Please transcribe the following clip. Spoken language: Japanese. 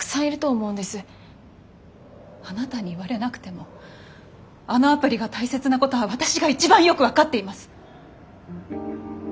あなたに言われなくてもあのアプリが大切なことは私が一番よく分かっています！